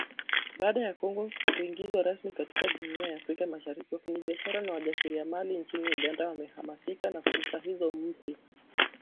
Baada ya Kongo kuingizwa rasmi katika Jumuiya ya Afrika Mashariki, wafanyabiashara na wajasiriamali nchini Uganda wamehamasika na fursa hizo mpya.